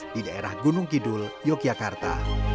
di daerah gunung kidul yogyakarta